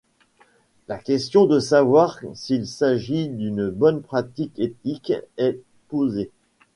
La question de savoir s'il s'agit d'une bonne pratique éthique est posée.